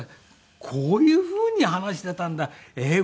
こういうふうに話していたんだええー